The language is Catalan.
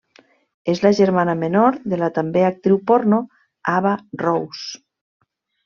És la germana menor de la també actriu porno Ava Rose.